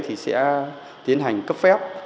thì sẽ tiến hành cấp phép